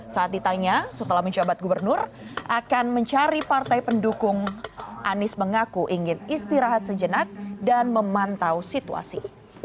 saat ditanya setelah menjabat gubernur akan mencari partai pendukung anies mengaku ingin istirahat sejenak dan memantau situasi